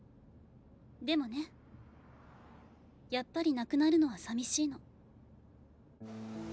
でもねやっぱりなくなるのはさみしいの。